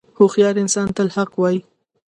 • هوښیار انسان تل حق وایی.